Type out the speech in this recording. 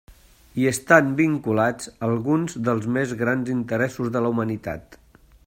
Hi estan vinculats alguns dels més grans interessos de la humanitat.